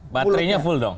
baterainya full dong